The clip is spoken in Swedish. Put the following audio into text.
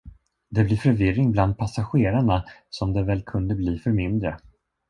Det blir förvirring bland passagerarna, som det väl kunde bli för mindre.